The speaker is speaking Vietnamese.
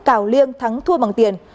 cào liêng thắng thua bằng tiền